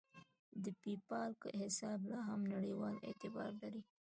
د پیپال حساب لاهم نړیوال اعتبار لري.